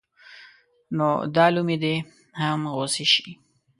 نو دا لومې دې هم غوڅې شي.